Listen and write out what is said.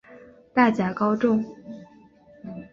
大甲高中